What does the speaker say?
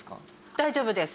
大丈夫です。